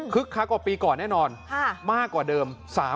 คักกว่าปีก่อนแน่นอนมากกว่าเดิม